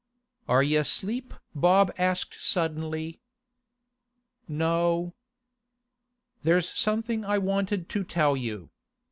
'Are y'asleep?' Bob asked suddenly. 'No.' 'There's something I wanted to tell you.